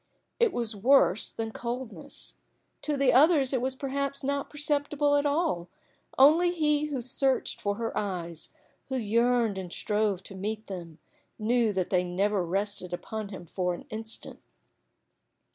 It was worse than coldness. To the others it was perhaps not perceptible at all; only he who searched for her eyes, who yearned and strove to meet them, knew that they never rested upon him for an instant.